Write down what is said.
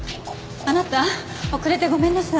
あなた遅れてごめんなさい。